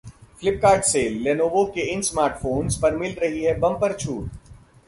Flipkart sale: Lenovo के इन smartphones पर मिल रही है बंपर छूट